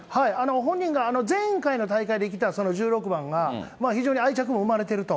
本人が前回の大会で着た１６番が、非常に愛着も生まれてると。